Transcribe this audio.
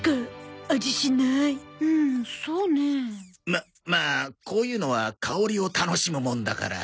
ままあこういうのは香りを楽しむもんだから。